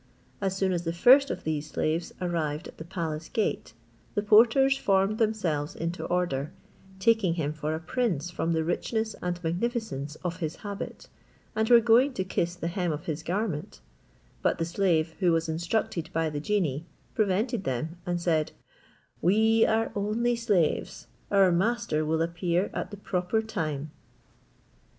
As soon as the first of these slaves arrived at the palace gate, the porters formed themselves into order, taking him for a prince from the richness and magnificence of his habit, and were going to kiss the hem of his garment; but the slave, who was instructed by the genie, prevented them, and said, "We are only slaves, our master will appear at a proper time."